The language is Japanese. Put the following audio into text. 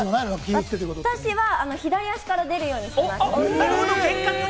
私は左足から出るようにしてます。